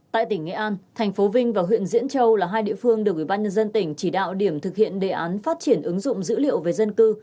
tại tỉnh nghệ an thành phố vinh và huyện diễn châu là hai địa phương được ủy ban nhân dân tỉnh chỉ đạo điểm thực hiện đề án phát triển ứng dụng dữ liệu về dân cư